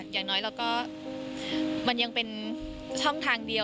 อย่างน้อยเราก็มันยังเป็นช่องทางเดียว